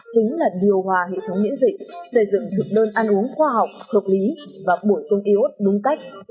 chính là điều hòa hệ thống miễn dịch xây dựng thực đơn ăn uống khoa học hợp lý và bổ sung iốt đúng cách